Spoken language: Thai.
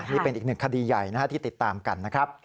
นี่เป็นอีก๑คดีใหญ่ที่ติดตามกัน